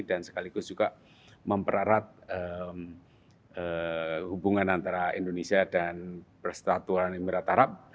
dan sekaligus juga memperarat hubungan antara indonesia dan persekutuan emirat arab